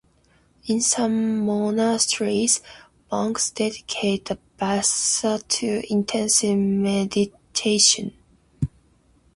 In some monasteries, monks dedicate the Vassa to intensive meditation.